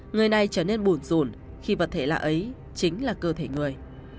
người này trở nên bùn rộn khi vật thể lạ ấy chính là cơ thể người